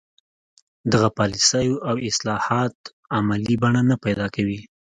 دغه پالیسۍ او اصلاحات عملي بڼه نه پیدا کوي.